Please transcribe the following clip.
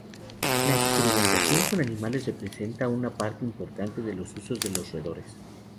La experimentación con animales representa una parte importante de los usos de los roedores.